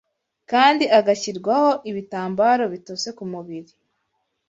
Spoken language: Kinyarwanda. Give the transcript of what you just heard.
kandi agashyirwaho ibitambaro bitose ku mubiri